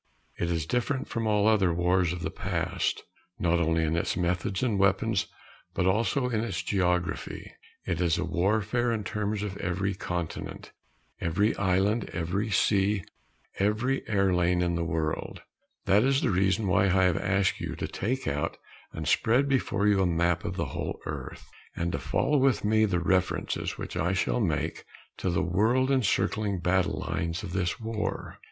It is different from all other wars of the past, not only in its methods and weapons but also in its geography. It is warfare in terms of every continent, every island, every sea, every air lane in the world. That is the reason why I have asked you to take out and spread before you a map of the whole earth, and to follow with me in the references which I shall make to the world encircling battle lines of this war.